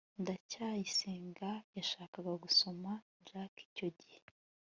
ndacyayisenga yashakaga gusoma jaki icyo gihe